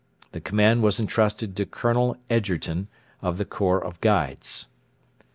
The command was entrusted to Colonel Egerton, of the Corps of Guides.